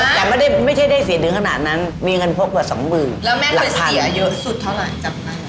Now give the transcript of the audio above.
แต่ไม่ได้ไม่ใช่ได้เสียถึงขนาดนั้นมีเงินพกกว่าสองหมื่นแล้วแม่หลักเสียเยอะสุดเท่าไหร่จำได้